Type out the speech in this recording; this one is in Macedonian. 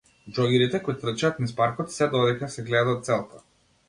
Џогерите кои трчаат низ паркот се додека се гледа целта.